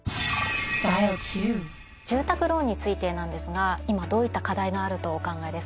住宅ローンについてなんですが今どういった課題があるとお考えですか？